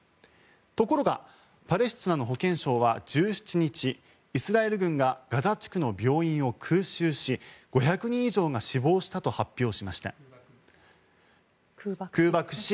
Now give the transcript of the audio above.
ところが、パレスチナの保健省は１７日イスラエル軍がガザ地区の病院を空襲し空爆して５００人以上が死亡したと発表しました。